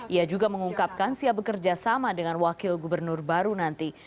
ia juga mengungkapkan siap bekerja sama dengan wakil gubernur baru nanti